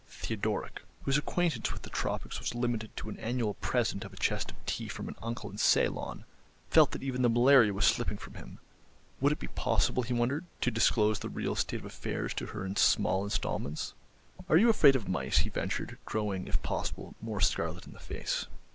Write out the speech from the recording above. Theodoric, whose acquaintance with the Tropics was limited to an annual present of a chest of tea from an uncle in Ceylon, felt that even the malaria was slipping from him. Would it be possible, he wondered, to disclose the real state of affairs to her in small instalments? "Are you afraid of mice?" he ventured, growing, if possible, more scarlet in the face.